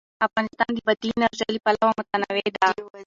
افغانستان د بادي انرژي له پلوه متنوع دی.